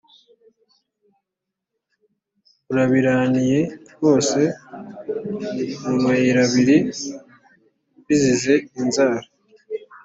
arabiraniye hose mu mayirabiri, bizize inzara.